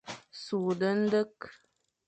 Sughde ndekh.